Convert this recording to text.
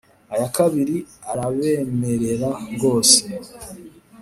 ayakabiri arabemerera rwose